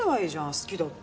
好きだって。